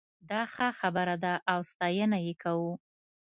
دا ښه خبره ده او ستاينه یې کوو